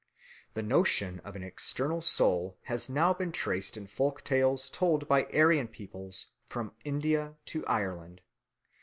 The notion of an external soul has now been traced in folk tales told by Aryan peoples from India to Ireland.